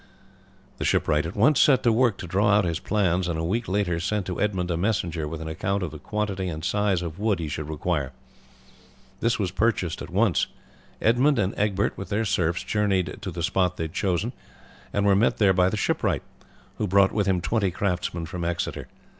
The shipwright at once set to work to draw out his plans, and a week later sent to Edmund a messenger with an account of the quantity and size of wood he should require. This was purchased at once. Edmund and Egbert with their serfs journeyed to the spot they had chosen, and were met there by the shipwright, who brought with him twenty craftsmen from Exeter.